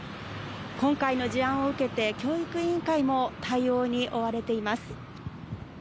今回の事案を受けて教育委員会も対応に追われています。